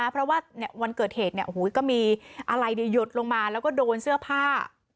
เพราะว่าวันเกิดเหตุก็มีอะไรหยดลงมาแล้วก็โดนเสื้อผ้า